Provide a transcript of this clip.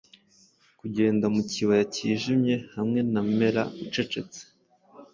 Kugenda mu kibaya cyijimye Hamwe na Mela ucecetse.